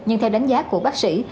nhưng theo đánh giá của bác sĩ